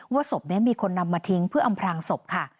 ศพนี้มีคนนำมาทิ้งเพื่ออำพลางศพค่ะ